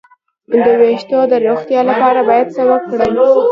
د ویښتو د روغتیا لپاره باید څه وکړم؟